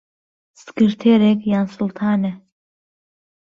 سکرتێرێک... یا سوڵتانێ